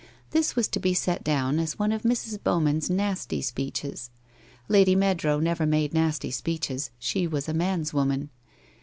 This was to be set down as one of Mrs. Bowman's nasty speeches. Lady Meadrow never made nasty speeches, she was a man's woman.